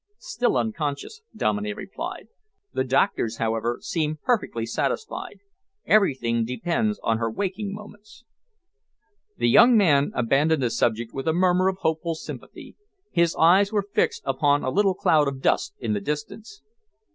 "Still unconscious," Dominey replied. "The doctors, however, seem perfectly satisfied. Everything depends on her waking moments." The young man abandoned the subject with a murmur of hopeful sympathy. His eyes were fixed upon a little cloud of dust in the distance.